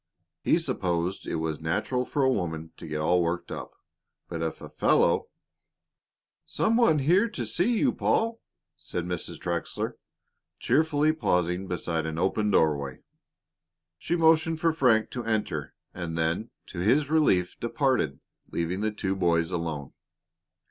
He supposed it was natural for a woman to get all worked up, but if a fellow "Some one to see you, Paul," said Mrs. Trexler, cheerfully, pausing beside an open doorway. She motioned for Frank to enter and then, to his relief, departed, leaving the two boys alone.